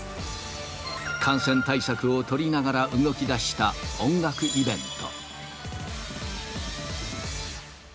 感染対策を取りながら動きだした音楽イベント。